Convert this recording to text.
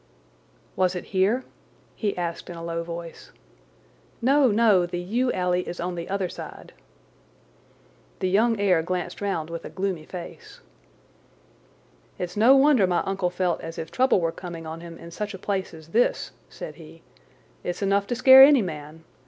"Was it here?" he asked in a low voice. "No, no, the yew alley is on the other side." The young heir glanced round with a gloomy face. "It's no wonder my uncle felt as if trouble were coming on him in such a place as this," said he. "It's enough to scare any man.